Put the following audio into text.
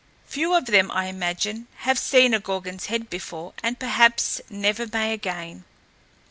Few of them, I imagine, have seen a Gorgon's head before and perhaps never may again!"